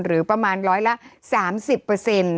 หรือประมาณร้อยละ๓๐